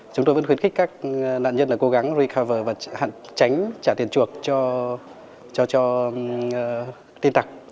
chúng tôi vẫn khuyến khích các nạn nhân cố gắng recover và tránh trả tiền chuộc cho tin tặc